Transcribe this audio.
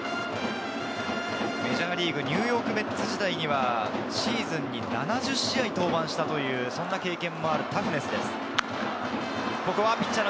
メジャーリーグ、ニューヨーク・メッツ時代には、シーズンに７０試合登板したという経験もあるタフネスです。